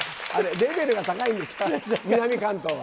レベルが高いんだよ、南関東は。